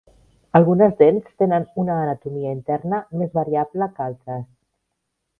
Algunes dents tenen una anatomia interna més variable que altres.